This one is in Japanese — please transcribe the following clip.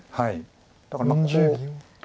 だからこう。